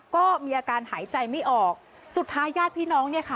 ก็มีอาการหายใจไม่ออกสุดท้ายญาติพี่น้องเนี่ยค่ะ